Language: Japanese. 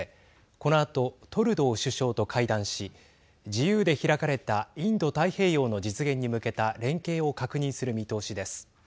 このあとトルドー首相と会談し自由で開かれたインド太平洋の実現に向けた連携を確認する見通しです。